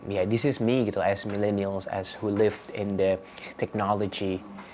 ya ini saya sebagai milenial yang hidup di teknologi